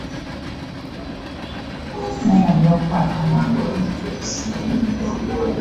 Omukungu Luutu abakubirizza okunyweza ennono y'okuleeta Amakula